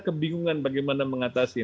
kebingungan bagaimana mengatasi